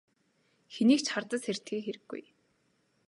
Хэнийг ч хардаж сэрдэхийн хэрэггүй.